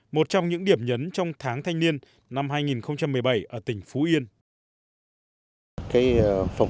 một trong những điểm nhấn trong tháng thanh niên năm hai nghìn một mươi bảy ở tỉnh phú yên